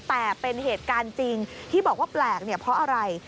แต่เป็นเหตุการณ์จริงที่บอกว่าแปลกเนี่ยเพราะอะไร